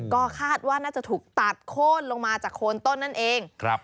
ก็คาดว่าน่าจะถูกตัดโค้นลงมาจากโคนต้นนั่นเอง